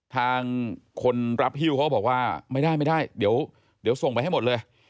ทางคนรับฮิ้วเขาก็บอกว่าไม่ได้ไม่ได้เดี๋ยวส่งไปให้หมดเลย